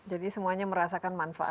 jadi semuanya merasakan manfaat ya